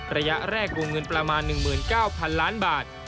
ระยะแรกวงเงินประมาณ๑๙๐๐๐ล้านบาท